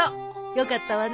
よかったわね。